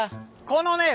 このね